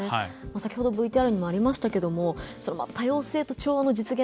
先ほどＶＴＲにもありましたが多様性と調和の実現